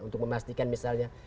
untuk memastikan misalnya